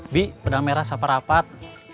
bi pedang merah sapa rapat